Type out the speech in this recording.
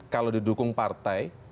kalau didukung partai